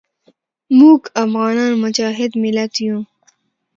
موږ افغانان مجاهد ملت یو.